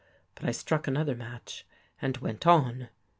But I struck another match and went on.